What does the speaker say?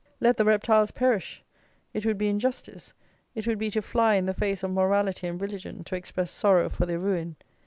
Let the reptiles perish: it would be injustice; it would be to fly in the face of morality and religion to express sorrow for their ruin.